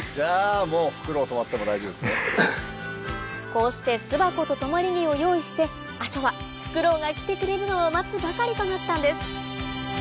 こうして巣箱と止まり木を用意してあとはフクロウが来てくれるのを待つばかりとなったんです